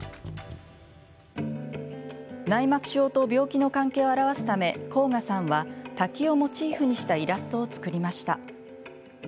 内膜症と病気の関係を表すため甲賀さんは滝をモチーフにしたイラストを作りました。